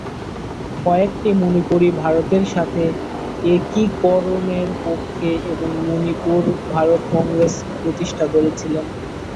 কয়েকটি মণিপুরি ভারতের সাথে একীকরণের পক্ষে এবং মণিপুর ভারত কংগ্রেস প্রতিষ্ঠা করেছিলেন।